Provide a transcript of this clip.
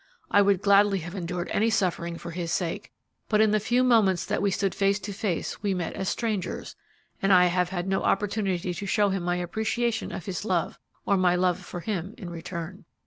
I would gladly have endured any suffering for his sake, but in the few moments that we stood face to face we met as strangers, and I have had no opportunity to show him my appreciation of his love or my love for him in return."